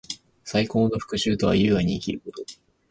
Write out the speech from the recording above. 最高の復讐とは，優雅に生きること。